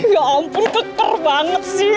ya ampun keker banget sih